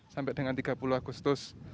sampai dengan tiga puluh agustus